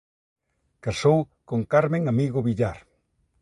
Casou con Carmen Amigo Villar.